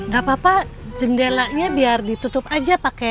gapapa jendelanya biar ditutup aja pake ac